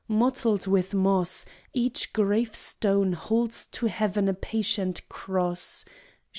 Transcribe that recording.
Mottled with moss, Each gravestone holds to heaven a patient Cross.